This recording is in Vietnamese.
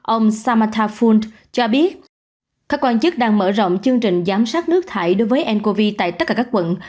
ông samata ful cho biết các quan chức đang mở rộng chương trình giám sát nước thải đối với ncov tại tất cả các quận